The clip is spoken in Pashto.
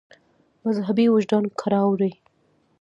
مذهبي وجدان کراروي.